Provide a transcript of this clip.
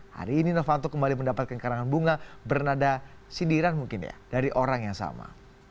hari ini novanto kembali mendapatkan karangan bunga bernada sindiran mungkin ya dari orang yang sama